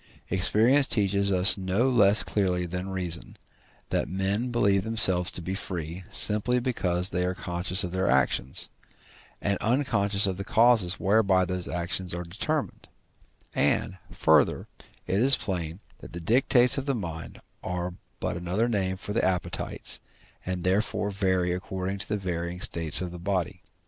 Experience teaches us no less clearly than reason, that men believe themselves to be free, simply because they are conscious of their actions, and unconscious of the causes whereby those actions are determined; and, further, it is plain that the dictates of the mind are but another name for the appetites, and therefore vary according to the varying state of the body.